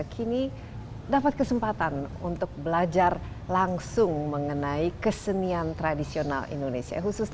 kini dapat kesempatan untuk belajar langsung mengenai kesenian tradisional indonesia khususnya